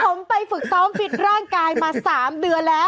ผมไปฝึกซ้อมปิดร่างกายมา๓เดือนแล้ว